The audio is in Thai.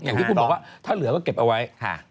อย่างที่คุณบอกว่าถ้าเหลือก็เก็บเอาไว้